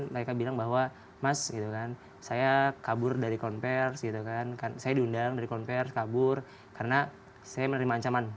mereka bilang bahwa mas gitu kan saya kabur dari konversi gitu kan saya diundang dari konvers kabur karena saya menerima ancaman